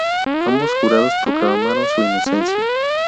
Ambos jurados proclamaron su inocencia.